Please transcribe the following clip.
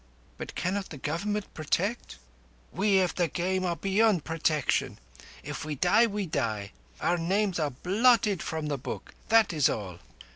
"But cannot the Government protect?" "We of the Game are beyond protection. If we die, we die. Our names are blotted from the book. That is all.